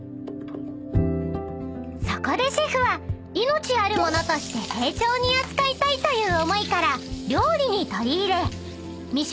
［そこでシェフは命あるものとして丁重に扱いたいという思いから］